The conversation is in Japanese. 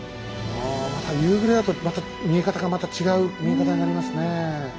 また夕暮れだとまた見え方がまた違う見え方になりますね。